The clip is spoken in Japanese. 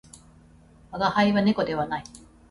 我が輩は猫ではない